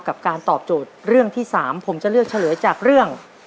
กับการตอบโจทย์เรื่องที่๓ผมจะเลือกเฉลยจากเรื่อง